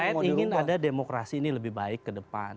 rakyat ingin ada demokrasi ini lebih baik kedepan